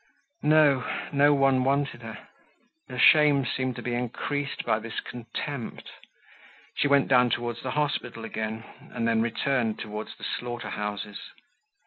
No; no one wanted her. Her shame seemed to be increased by this contempt. She went down towards the hospital again, and then returned towards the slaughter houses.